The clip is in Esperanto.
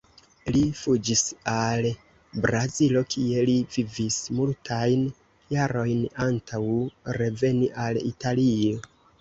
Li fuĝis al Brazilo kie li vivis multajn jarojn antaŭ reveni al Italio.